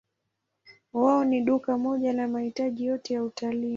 Wao ni duka moja la mahitaji yote ya utalii.